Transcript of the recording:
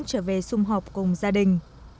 trở về xung họp cùng gia đình